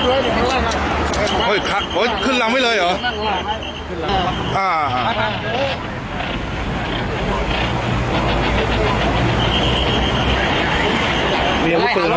โอ้ยคักโอ้ยขึ้นหลังไว้เลยเหรอขึ้นหลัง